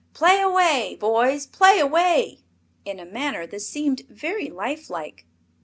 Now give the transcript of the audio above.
Play away, boys, play away!" in a manner that seemed very lifelike.